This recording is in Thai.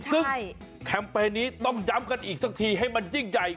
ซึ่งแคมเปญนี้ต้องย้ำกันอีกสักทีให้มันยิ่งใหญ่